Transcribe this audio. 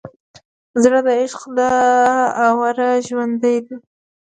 زړه د عشق له اوره ژوندی وي.